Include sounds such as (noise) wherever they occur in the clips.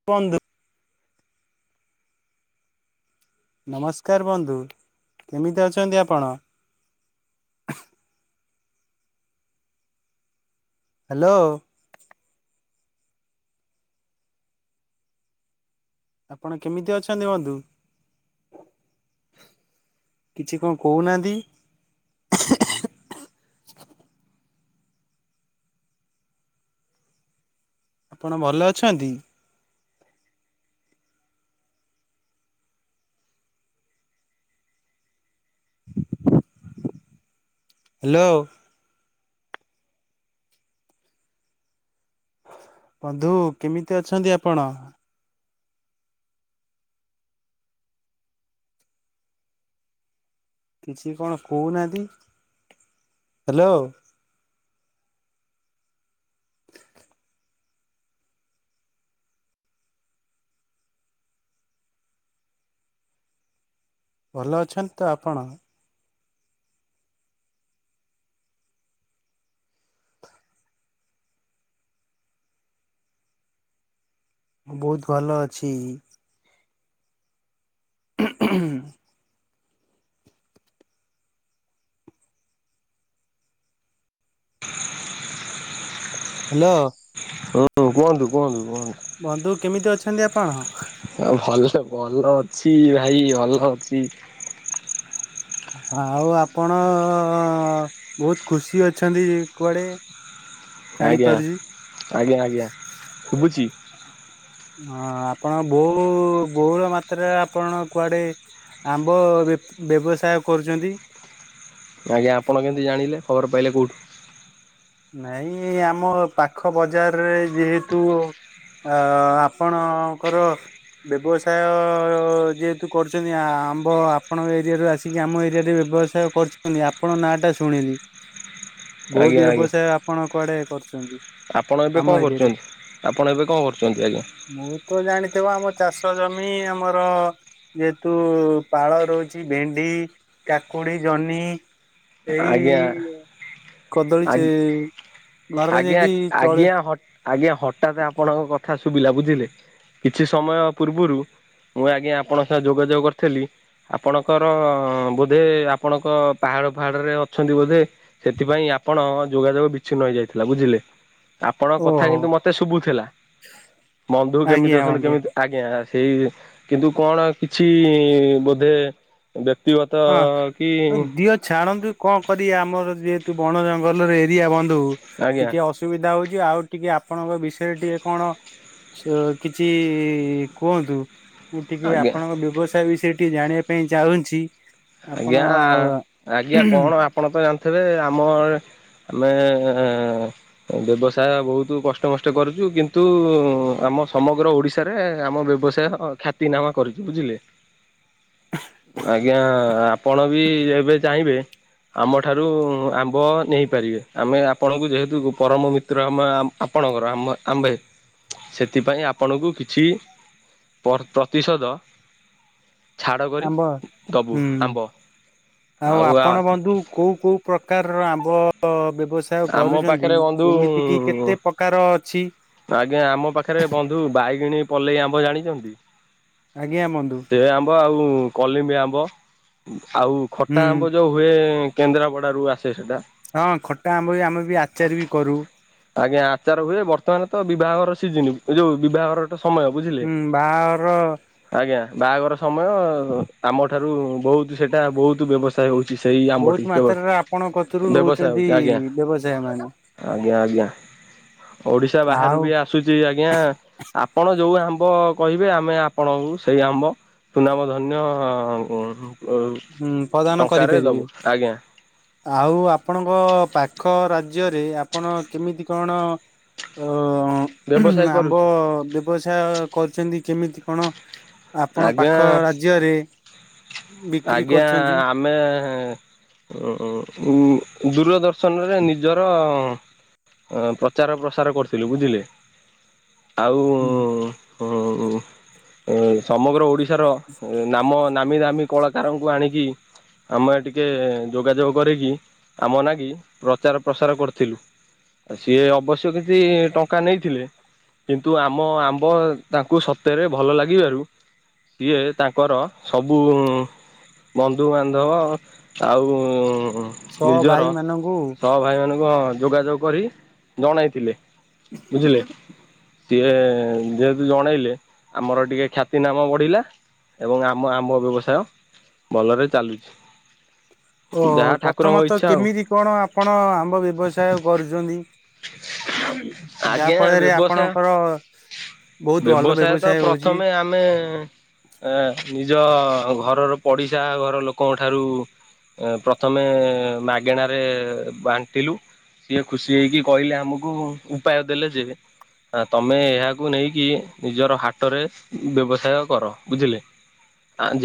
(unintelligible) ନମସ୍କାର ବନ୍ଧୁ। କେମିତି ଅଛନ୍ତି ଆପଣ? ହ୍ୟାଲୋ। ଆପଣ କେମିତି ଅଛନ୍ତି ବନ୍ଧୁ? କିଛି କଁ କୋଉ ନାହାନ୍ତି? ଆପଣ ଭଲ ଅଛନ୍ତି? ହ୍ୟାଲୋ। ବନ୍ଧୁ କେମିତି ଅଛନ୍ତି ଆପଣ? କିଛି କଣ କହୁନାହାନ୍ତି। ହ୍ୟାଲୋ। (inaudible) ଭଲ ଅଛନ୍ତି ତ ଆପଣ? ମୁଁ ବହୁତ୍ ଭଲ ଅଛି। ହୁଁ (inaudible) ହାଲୋ। କୁହନ୍ତୁ କୁହନ୍ତୁ କୁହନ୍ତୁ। ବନ୍ଧୁ କେମିତି ଅଛନ୍ତି ଆପଣ? ଆଉ ଭଲ ଭଲ ଅଛି ଭାଇ ଭଲ ଅଛି। ଆଉ ଆପଣ ବହୁତ୍ ଖୁସି ଅଛନ୍ତି କୁଆଡେ। ଆଜ୍ଞା ଜାଣିପାରୁଛି। ଆଜ୍ଞା ଆଜ୍ଞା ଶୁବୁଚି। ହଁ ଆପଣଙ୍କ ବୋଉ ବହୁଳ ମାତ୍ରାରେ ଆପଣ କୁଆଡେ ଆମ୍ବ ବ୍ୟ ବ୍ୟବସାୟ କରୁଚନ୍ତି? ଆଜ୍ଞା ଆପଣ କେମିତି ଜାଣିଲ ଖବର ପାଇଲେ କୋଉଠୁ? ନାଇଁ ଆମ ପାଖ ବଜାରରେ ଯେହେତୁ ଆ ଆପଣଙ୍କର ବ୍ୟବସାୟ ଯେହେତୁ କରୁଚନ୍ତି ଆମ୍ବ। ଆପଣଙ୍କ ଏରିଆରୁ ଆସିକି ଆମ ଏରିଆରେ ବ୍ୟବ ସାୟ କରୁଚନ୍ତି ଆପଣଙ୍କ ନାଁ ଟା ଶୁଣିଲି। ଆଜ୍ଞା ବହୁତ୍ ଆଜ୍ଞା ବ୍ୟବସାୟ ଆପଣ କୁଆଡେ କରୁଚନ୍ତି। ଆପଣ ଏବେ କଣ କରୁଚନ୍ତି? ଆପଣ ଏବେ କଣ କରୁଚନ୍ତି ଆଜ୍ଞା? ମୁଁ ତ ଜାଣିଥିବ ଆମ ଚାଷ ଜମି ଆମର ଯେହେତୁ ପାଳ ରହୁଚି ଭେଣ୍ଡି, କାକୁଡି, ଜହ୍ନି ଆଜ୍ଞା ଏଇ କଦଳୀ ଚେ ଘରରେ ଆଜ୍ଞା ଯେମିତି ଆଜ୍ଞା ଚଳେ ହ ଆଜ୍ଞା ହଠାତ୍ ଆପଣଙ୍କ କଥା ଶୁଭିଲା ବୁଝିଲେ। କିଛି ସମୟ ପୂର୍ବରୁ ମୁଁ ଆଜ୍ଞା ଆପଣଙ୍କ ସହ ଯୋଗାଯୋଗ କରିଥିଲି ଆପଣଙ୍କର ବୋଧେ ଆପଣଙ୍କ ପାହାଡ ଫାହାଡ ରେ ଅଛନ୍ତି ବୋଧେ। ସେଥିପାଇଁ ଆପଣ ଯୋଗାଯୋଗ ବିଚ୍ଛିନ୍ନ ହେଇ ଯାଇଥିଲା ବୁଝିଲେ। ଆପଣଙ୍କ କଥା ଓହୋ କିନ୍ତୁ ମତେ ଶୁବୁଥିଲା। ବନ୍ଧୁ କେମିତି ଆଜ୍ଞା ଅଛନ୍ତି ବନ୍ଧୁ କେମିତି ଆଜ୍ଞା। ସେଇ କିନ୍ତୁ କଣ କିଛି ବୋଧେ ବ୍ୟକ୍ତିଗତ ହଁ କି ଆଉ ଦିଅ ଛାଣନ୍ତୁ, କଣ କରିଆ ଆମର ଯେହେତୁ ବଣ ଜଙ୍ଗଲରେ ଏରିଆ ବନ୍ଧୁ, ଆଜ୍ଞା ଟିକେ ଅସୁ ସୁବିଧା ହଉଛି, ଆଉ ଟିକେ ଆପଣଙ୍କ ବିଷୟରେ ଟିକେ କଣ ସୋ କିଛି କୁହନ୍ତୁ? ମୁଁ ଟିକେ ଆଜ୍ଞା ଆପଣଙ୍କ ବ୍ୟବସାୟ ବିଷୟରେ ଟିକେ ଜାଣିବା ପାଇଁ ଚାହୁଁଛି ଆପଣ ଆଜ୍ଞା, ଆଜ୍ଞା, କଣ ଆପଣ ତ ଜାଣିଥିବେ ଆମ ଆମେ ବ୍ୟବସାୟ ବହୁତୁ କଷ୍ଟମଷ୍ଟେ କରୁଛୁ କିନ୍ତୁ ଆମ ସମଗ୍ର ଓଡିଶା ଶାରେ ଆମ ବ୍ୟବସାୟ ଖ୍ୟାତିନାମା କରିଛି। ବୁଝିଲେ? ହ ଆଜ୍ଞା, ଆପଣ ବି ଏବେ ଚାହିଁବେ ଆମଠାରୁ ଉମ୍ ଆମ୍ବ ନେଇପାରିବେ, ଆମେ ଆପଣଙ୍କୁ ଯେହେତୁ ପରମ ମିତ୍ର ଆମେ ଆମ ଆପଣଙ୍କର ଆମ ଆମ୍ଭେ, ସେଥିପାଇଁ ଆପଣଙ୍କୁ କିଛି ପର-ପ୍ରତିଶୋଧ, ଛାଡ଼ କରି ଆମ୍ବ ଦବୁ। ହୁଁ। ଆମ୍ବ ଆଉ ଆପଣ ବନ୍ଧୁ, କୋଉ କୋଉ ପ୍ରକାରର ଆମ୍ବ ବ୍ୟବସା ସାୟ ଆମ କରୁଛନ୍ତି, ପାଖରେ ବନ୍ଧୁ ଯେମିତିକିି କେତେ ପକାର ଅଛି? ଆଜ୍ଞା, ଆମ ପାଖେରେ ବନ୍ଧୁ ବାଇଗିଣୀ ପଲେଇ ଆମ୍ବ ଜାଣିଛନ୍ତି? ଆଜ୍ଞା, ବନ୍ଧୁ। ସେ ଆମ୍ୱ ଆଉ କଲିମ୍ବି ଆମ୍ୱ, ଆଉ ହୁଁ ଖଟା ଆମ୍ୱ ଯୋଉ ହୁଏ, ଏଁ କେନ୍ଦ୍ରାପଡାରୁୁ ଆସେ ସେଟା। ହଁ, ଖଟା ଆମ୍ବ ବି ଆମେ ବି ଆଚାର ବି କରୁ ଆଜ୍ଞା ଆଚାର ହୁଏ, ବର୍ତ୍ତମାନ ତ ବିଭାଘର ସିଜିନି, ଏ ଯୋଉ ବିଭାଘର ଗୋଟେ ସମୟ ବୁଝିଲେ। ହୁଁ, ବାହାଘର ଆଜ୍ଞା। ବାହାଘର ସମୟ, ଆମଠାରୁ ବହୁତ ସେଟା ବହୁତ ବ୍ୟବସ୍ ବ୍ୟବସାୟ ହଉଛି ସେଇ ବହୁତ ଆମ୍ବଟି କେବଳ, ମାତ୍ରାରେ ଆପଣଙ୍କ କତୁରୁ ବ୍ୟବସାୟ ନଉଛନ୍ତି ହଉଛି। ଆଜ୍ଞା, ବ୍ୟବସାୟ ମାନେ। ଆଜ୍ଞା, ଆଜ୍ଞା। ଓଡିଶା ବାହାରୁ ଆଉ ବି ଆ ଆସୁଛି ଆଜ୍ଞା, ଆପଣ ଯୋଉ ଆମ୍ବ କହିବେ, ଆମେ ଆପଣଙ୍କୁ ସେଇ ଆମ୍ବ ସୁନାମ ଧନ୍ୟ ଅ ଅଉ ହୁଁ ପ୍ରଦାନ ଟଙ୍କାରେ କରିପାରିବେ। ଦବୁ, ଆଜ୍ଞା। ଆଉ ଆପଣଙ୍କ ପାଖ ରାଜ୍ୟରେ, ଆପଣ କେମିତି କଣ ଅ ବ୍ୟବସାୟ ଆମ୍ବ କରୁଛୁ ବ୍ୟବସାୟ କରୁଛନ୍ତି, କେମିତି କଣ? ଆପଣ ଆଜ୍ଞା ପାଖ ରାଜ୍ୟରେ, ବି ଆଜ୍ଞା, ଆପ ଆମେ ଉମ୍ ଦୂରଦର୍ଶନରେ ନିଜର ଅ ପ୍ରଚାର ପ୍ରସାର କରିଥିଲୁ, ବୁଝିଲେ? ଆଉ ଉଁ ଉମ୍ ସମଗ୍ର ଓଡ଼ିଶ ଶାର, ନାମ ନାମି ଦାମୀ କଳାକାରଙ୍କୁ ଆଣିକି ଆମେ ଟିକେ ଯୋଗାଯୋଗ କରିକି, ଆମ ନାଗି ପ୍ରଚାର ପ୍ରସାର କରିଥିଲୁ। ଆ ସିଏ ଅବଶ୍ୟ କିଛି ଟଙ୍କା ନେଇଥିଲେ କିନ୍ତୁ ଆମ ଆମ୍ବ ତାଙ୍କୁ ସତେରେ ଭଲ ଲାଗିବାରୁ ସିଏ ତାଙ୍କର ସବୁ ଉମ୍ ବନ୍ଧୁବାନ୍ଧବ ଆଉ ଉମ୍ ସହ ନିଜର ଭାଇ ମାନଙ୍କୁ ସହ ଭାଇମାନଙ୍କ ଯୋଗାଯୋଗ କରିକି, ଜଣାଇଥିଲେ। ବୁଝିଲେ? ଟିକେ ଯେହେତୁ ଜଣେଇଲେ, ଆମର ଟିକେ ଖ୍ୟାତି ତିନାମା ବଢ଼ିଲା ଏବଂ ଆମ ଆମ୍ବ ବ୍ୟବସାୟ ଭଲରେ ଚାଲୁଛି। ଓହୋ, ଯାହା ଠାକୁରଙ୍କ ପ୍ରଥମତଃ ଇଚ୍ଛା ଆଉ। କେମିତି କଣ ଆପଣ ଆମ୍ବ ବ୍ୟବସାୟ କରୁଛନ୍ତି? ଆଜ୍ଞା ଯାହାଫଳରେ ବ୍ୟବସାୟ ଆପଣଙ୍କର ବହୁତ୍ ଭଲ ତ ବ୍ୟବସାୟ ହୋଉଚି। ପ୍ରଥମେ ଆମେ ଏଁ ନିଜ ଘରର ପଡିଶା ଘର ଲୋକଙ୍କ ଠାରୁ ପ୍ରଥମେ ମାଗେଣାରେ ବାଣ୍ଟିଲୁ। ସିଏ ଖୁସି ହେଇକି କହିଲେ ଆମକୁ ଉପାୟ ଦେଲେ ଯେ ହ ତମେ ଏହାକୁ ନେଇକି ନିଜର ହାଟରେ ବ୍ୟବସାୟ କର ବୁଝିଲେ।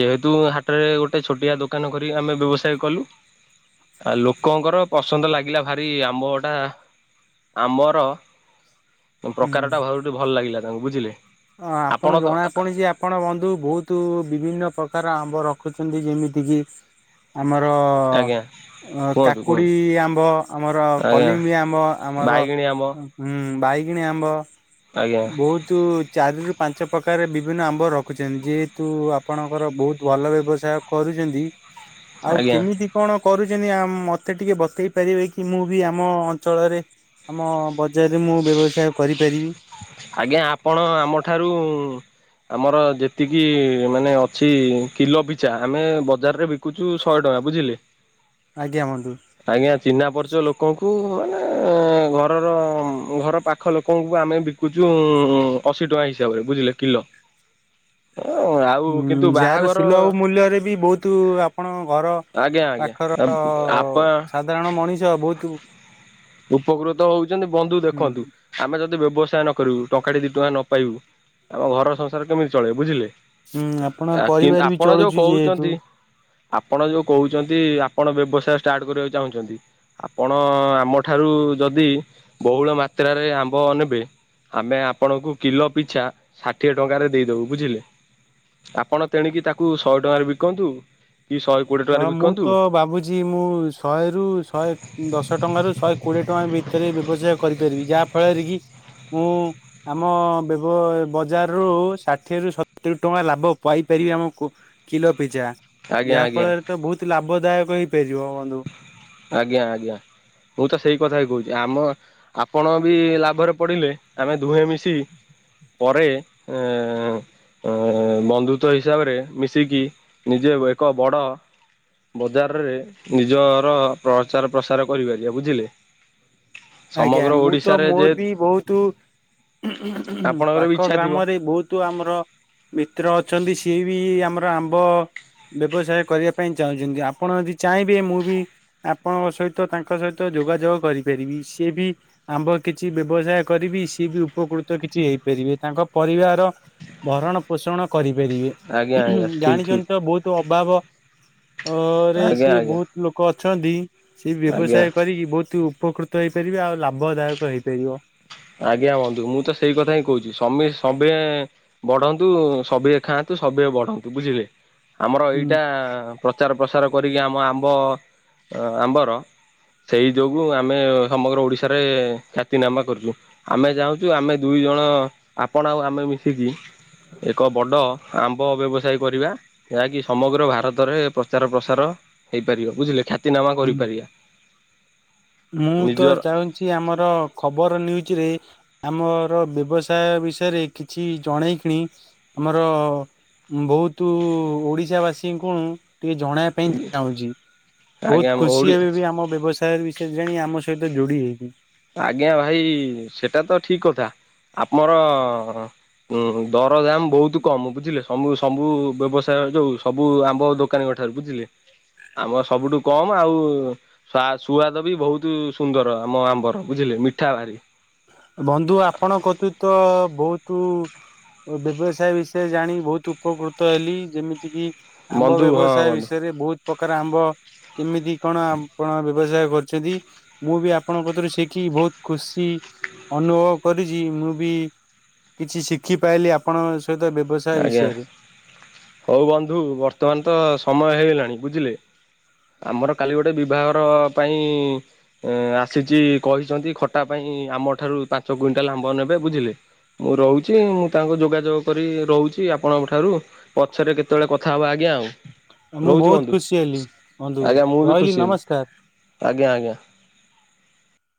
ଯେହେତୁ ହାଟରେ ଗୋଟେ ଛୋଟିଆ ଦୋକାନ କରି ଆମେ ବ୍ୟବସାୟ କଲୁ। ଆ ଲୋକଙ୍କର ପସନ୍ଦ ଲାଗିଲା ଭାରି ଆମ୍ବଟା। ଆମର ପ୍ରକାର ଟା ଭାବ ଟିକେ ଭଲ୍ ଲାଗିଲା ତାଙ୍କୁ ବୁଝିଲେ। ଅ ଆପଣ ଜଣା କୌଣସି ଆପଣ ବନ୍ଧୁ ବୋହୁତୁ ବିଭିନ୍ନ ପ୍ରକାର ଆମ୍ବ ରଖୁଚନ୍ତି ଯେମିତି କିି ଆମର ଆଜ୍ଞା କୁହନ୍ତୁ କାକୁଡ଼ି କୁହନ୍ତୁ ଆମ୍ବ ଆମର, ଆଜ୍ଞା କଲିମ୍ବି ଆମ୍ବ, ଆମର ବାଇଗିଣୀ ଆମ୍ବ ହୁଁ ବାଇଗିଣ ଆମ୍ବ ଆଜ୍ଞା ବୋହୁତୁ ଚାରି ରୁ ପାଞ୍ଚ ପ୍ରକାର ବିଭିନ୍ନ ଆମ୍ବ ରଖୁଚନ୍ତି ଯେହେତୁ ଆପଣଙ୍କର ବହୁତ ଭଲ ବ୍ୟବସାୟ। କରୁଚନ୍ତି ଆଉ ଆଜ୍ଞା କେମିତି କଣ କରୁଚନ୍ତି ଆ ମତେ ଟିକେ ବତେଇ ପାରିବେ କି ମୁଁ ବି ଆମ ଅଞ୍ଚଳରେ ଆମ ବଜାରରେ ମୁଁ ବ୍ୟବସାୟ କରିପାରିବି। ଆଜ୍ଞା ଆପଣ ଆମ ଠାରୁ ଆମର ଯେତିକି ମାନେ ଅଛି କିଲୋ ପିଛା ଆମେ ବଜାରରେ ବି କୁଚୁ ଶହେ ଟଙ୍କା ବୁଝିଲେ। ହଁନ୍ତୁ ଆଜ୍ଞା ଚିହ୍ନା ପରିଚ ଲୋକଙ୍କୁ ମାନେ ଘରର ଘର ପାଖ ଲୋକଙ୍କୁ ଆମେ ବି କୁଚୁଁ ଅଶୀ ଟଙ୍କା ହିସାବରେ ବୁଝିଲେ କିଲ। ହୁଁ ଯାହାର ବାହାଘର ସୁଲଭ ମୂଲ୍ୟରେ ବି ବୋହୁତୁ ଆପଣ ଘର ଆଜ୍ଞା ଆଜ୍ଞା ପାଖର ଆପଣ ସାଧାରଣ ମଣିଷ ଭୋଉତୁ ଉପକୃତ ହୋଉଛନ୍ତି ବନ୍ଧୁ ଦେଖନ୍ତୁ। ଆମେ ଯଦି ବ୍ୟବସାୟ ନ କରିବୁ ଟଙ୍କାଟିେ ଦି ଟଙ୍କା ନ ପାଇବୁ ଆମ ଘର ସଂସାର କେମିତି ଚଳେଇବୁ ବୁଝିଲେ। ଆପଣ କି ପରିବାର ବି ଆପଣ ଯୋଉ ଚଳୁଛି ଯେହେତୁ କୋହୁଚନ୍ତି। ଆପଣ ଯୋଉ କୋହୁଛନ୍ତି ଆପଣ ବ୍ୟବସାୟ ଷ୍ଟାର୍ଟ୍ କରିବାକୁ ଚାହୁଁଚନ୍ତି ଆପଣ ଆମ ଠାରୁ ଯଦି ବୋହୁଳ ମାତ୍ରାରେ ଆମ୍ବ ନେବେ। ଆମେ ଆପଣଙ୍କୁ କିଲ ପିଛା ଷାଠିଏ ଟଙ୍କାରେ ଦେଇଦୋବୁ ବୁଝିଲେ। ଆପଣ ତେଣିକି ତାକୁ ଶହେ ଟଙ୍କାରେ ବିକନ୍ତୁ କି ଶହେ କୋଡ଼ିଏ ହଁ ଟଙ୍କାରେ ମୁଁ ବିକନ୍ତୁ ତ ଭାବୁ ଜି ମୁଁ ଶହେରୁ ଶହେ ଦଶ ଟଙ୍କାରୁ ଶହେ କୋଡ଼ିଏ ଟଙ୍କା ଭିତରେ ବ୍ୟବସାୟ କରିପାରିବି ଯାହା ଫଳରେ କି ମୁଁ ଆମ ବ୍ୟବ ବଜାରରୁୁ ଷାଠିଏ ରୁ ସତୁରି ଟଙ୍କା ଲାଭ ପାଇପାରିବି ଆମ କୁ କିଲୋ ପିଜ୍ଜା। ଆଜ୍ଞା ଆଜ୍ଞା। ତ ବୋହୁତ୍ ଲାଭଦାୟକ ହେଇପାରିବ ବନ୍ଧୁ। ଆଜ୍ଞା ଆଜ୍ଞା ମୁଁ ତ ସେଇ କଥା ହିଁ କୋହୁଚି ଆମ ଆପଣ ବି ଲାଭରେ ପଡ଼ିଲେ ଆମେ ଦୁହେଁ ମିଶି ପରେ ଏଁ ଅଁ ବନ୍ଧୁତ୍ୱ ହିସାବରେ ମିଶିକି ନିଜେ ଏକ ବଡ଼ ବଜାରରେ ନିଜର ପ୍ରଚାର ପ୍ରସାର କରିପାରିବା ବୁଝିଲେ। ଆଜ୍ଞା ସମଗ୍ର ମୁଁ ତ ଓଡିଶାରେ ଯେ ମୋର ବି ବୋହୁତୁ, ଆପଣଙ୍କର ବି ପାଖ ଇଚ୍ଛା ଥିବ ଗ୍ରାମରେ ବହୁ ତୁ ଆମର ମିତ୍ର ଅଛନ୍ତି ସିଏ ବି ଆମର ଆମ୍ବ ବ୍ୟବସାୟ କରିବା ପାଇଁ ଚାହୁଁଛନ୍ତି ଆପଣ ଯଦି ଚାହିଁବେ ମୁଁ ବି ଆପଣଙ୍କ ସହିତ ତାଙ୍କ ସହିତ ଯୋଗାଯୋଗ କରିପାରିବି ସିଏ ବି ଆମ୍ଭ କିଛି ବ୍ୟବସାୟ କରିବି ସିଏ ବି ଉପକୃତ କିଛି ହେଇପାରିବେ ତାଙ୍କ ପରିବାର ଭରଣ ପୋଷଣ ଆଜ୍ଞା କରିପାରିବେ ଆଜ୍ଞା ଠିକ ଠିକ। ଜାଣିଛନ୍ତି ତ ବହୁତ ଅଭାବ। ଅ ରେ ଆଜ୍ଞା ସିଏ ଆଜ୍ଞା ବହୁତ ଲୋକ ଅଛନ୍ତି ସିଏ ଆଜ୍ଞା ବ୍ୟବସାୟ କରିକି ବହୁତ ଉପକୃତ ହେଇପାରିବେ ଆଉ ଲାଭଦାୟକ ହେଇପାରିବ। ଆଜ୍ଞା ବନ୍ଧୁ ମୁଁ ତ ସେଇ କଥା ହିଁ କହୁଛି ସମେ ସଭେ ବଢନ୍ତୁ ସବିଏ ଖାଆନ୍ତୁ ସବିଏ ବଢନ୍ତୁ ବୁଝିଲେ ଆମର ହୁଁ ଏଇଟା ପ୍ରଚାର ପ୍ରସାର କରିକି ଆମ ଆମ୍ବ ଆମ୍ବର ସେଇ ଯୋଗୁଁ ଆମେ ସମଗ୍ର ଓଡ଼ିଶାରେ ଖ୍ୟାତିନାମା କରିଛୁ। ଆମେ ଚାହୁଁଛୁ ଆମେ ଦୁଇ ଜଣ ଆପଣ ଆଉ ଆମେ ମିଶିକି ଏକ ବଡ଼ ଆମ୍ବ ବ୍ୟବସାୟ କରିବା। ଯାହାକି ସମଗ୍ର ଭାରତରେ ପ୍ରଚାର ପ୍ରସାର ହେଇପାରିବ ବୁଝିଲେ ଖା ତି ନାମା ହୁଁ। କରିପାରିବା। ମୁଁ ତ ନିଜର ଚାହୁଁଛି ଆମର ଖବର ନ୍ୟୁଜରେ ଆମର ବ୍ୟବସାୟ ବିଷୟରେ କିଛି ଜଣେଇ କିଣି ଆମର ବହୁତ ଓଡିଶା ବାସୀଙ୍କୁ ଟିକେ ଜଣେଇବା ପାଇଁ ଚାହୁଁଛି ଆଜ୍ଞା ବହୁତ ଓଡି ଖୁସି ଏବେ ବି ଆମ ବ୍ୟବସାୟ ବିଷ ସେ ଜାଣି ଆମ ସହିତ ଯୋଡି ହେଇକି ଆଜ୍ଞା ଭାଇ ସେଟା ତ ଠିକ କଥା ଆମର ହୁଁ ଦର ଦାମ ବହୁତ କମ ବୁଝିଲେ ସବୁ ସବୁ ବ୍ୟବସାୟ ଯୋଉ ସବୁ ଆମ୍ବ ଦୋକ ଦୋକାନୀଙ୍କ ଠାରୁ ବୁଝିଲେ। ଆମ ସବୁଠୁ କମ ଆଉ ସା ସୁଆଦ ବି ବହୁତ ସୁନ୍ଦର ଆମ ଆମ୍ବର। ବୁଝିଲେ ମିଠା ଭାରି। ବନ୍ଧୁ ଆପଣ କତୁ ତ ବହୁତ ବ୍ୟବସାୟ ବିଷୟ ଜାଣି ବହୁତ ଉପକୃତ ହେଲି ଯେମିତି କି ଆମ୍ବ ବନ୍ଧୁ ହଁ ବ୍ୟବସାୟ ବନ୍ଧୁ ବିଷୟରେ ବହୁତ ପ୍ରକାର ଆମ୍ବ କେମିତି କଣ ଆପଣ ବ୍ୟବସାୟ କ ଯଦି ମୁଁ ବି ଆପଣଙ୍କ କତିରୁ ଶିଖି ବହୁତ ଖୁସି। ଅନୁଭବ କରିଛି ମୁଁ ବି କିଛି ଶିଖିପାଇଲି ଆପଣ ସହିତ ବ୍ୟବସାୟ ଆଜ୍ଞା ବିଷୟରେ। ହଉ ବନ୍ଧୁ ବର୍ତ୍ତମାନ ତ ସମୟ ହେଇଗଲାଣି ବୁଝିଲେ। ଆମର କାଲି ଗୋଟେ ବିବାହର ପାଇଁ ଏ ଆସିଛି କହିଛନ୍ତି ଖଟା ପାଇଁ ଆମ ଠାରୁ ପାଞ୍ଚ କୁଇଣ୍ଟାଲ ଆମ୍ବ ନେବେ ବୁଝିଲେ। ମୁଁ ରହୁଛି ମୁଁ ତାଙ୍କୁ ଯୋଗାଯୋଗ କରି ରହୁଛି ଆପଣଙ୍କ ଠାରୁ ପଛରେ କେତେବେଳେ କଥା ହବା ଆଜ୍ଞା ଆଉ। ମୁଁ ବହୁତ ଖୁସି (unintelligible) ହେଲି ବନ୍ଧୁ ଆଜ୍ଞା ମୁଁ ବି ରହିଲି ଖୁସି ନମସ୍କାର। ଆଜ୍ଞା ଆଜ୍ଞା।